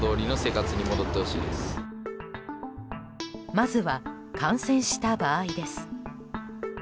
まずは、感染した場合です。